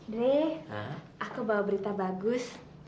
d aku bawa berita bagus